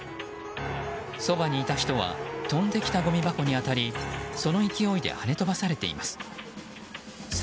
そばにいた人は飛んできたごみ箱に当たりその勢いで跳ね飛ばされています。